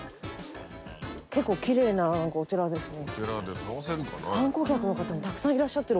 結構きれいなお寺ですね。